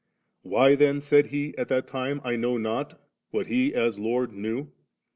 Why then said He at that time ' I know not,' what He, as Lord % knew?